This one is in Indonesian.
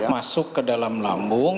masuk ke dalam lambung